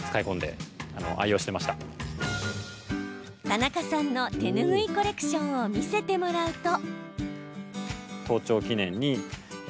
田中さんの手ぬぐいコレクションを見せてもらうと。